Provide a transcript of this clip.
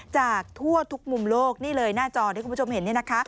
จากทั่วทุกมุมโลกนี่เลยหน้าจอที่คุณผู้ชมเห็น